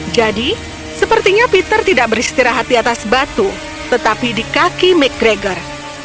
jadi sepertinya peter tidak beristirahat di atas batu tetapi di kaki mcgregor